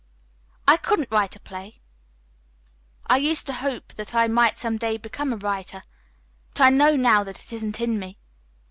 "I couldn't write a play. I used to hope that I might some day become a writer. But I know now that it isn't in me."